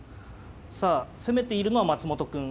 さあ攻めているのは松本くん。